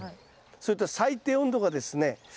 それと最低温度がですね